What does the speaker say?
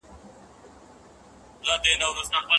آیا شتمن تر غریب زیات مسولیت لري؟